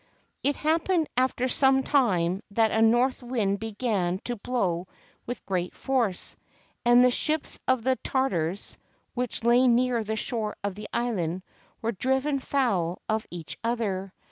It happened after some time that a north wind began to blow with great force, and the ships of the Tartars, which lay near the shore of the island, were driven foul of each other.